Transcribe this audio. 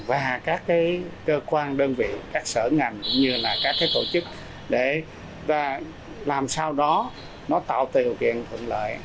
và các cơ quan đơn vị các sở ngành cũng như các tổ chức để làm sao đó tạo tiêu kiện thuận lợi